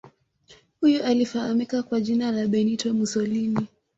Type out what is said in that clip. Huyu alifahamika kwa jina la Benito Musolini